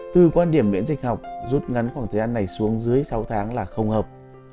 từ quan điểm miễn dịch học rút ngắn khoảng thời gian này xuống dưới sáu tháng là không hợp